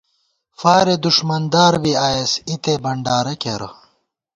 فارے دُݭمندار بی آئیېس ، اِتے بنڈارہ کېرہ